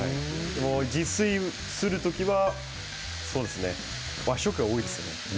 自炊をする時は和食が多いですね。